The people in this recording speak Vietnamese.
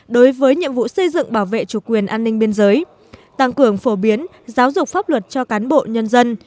đối với nhiệm vụ xây dựng bảo vệ chủ quyền an ninh biên giới tăng cường phổ biến giáo dục pháp luật cho cán bộ nhân dân